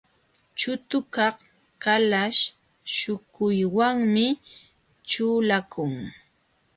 Chutukaq kalaśh śhukuywanmi ćhulakun.